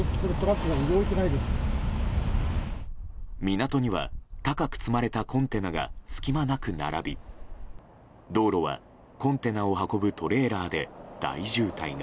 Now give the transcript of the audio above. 港には高く積まれたコンテナが隙間なく並び道路はコンテナを運ぶトレーラーで大渋滞が。